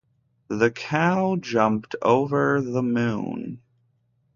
The cow jumped over the moon.